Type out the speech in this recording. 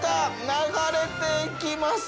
流れていきます。